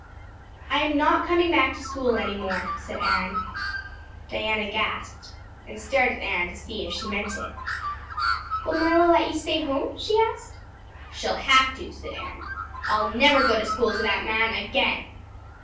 "I am not coming back to school any more," said Anne. Diana gasped and stared at Anne to see if she meant it. "Will Marilla let you stay home?" she asked. "She'll have to," said Anne. "I'll never go to school to that man again."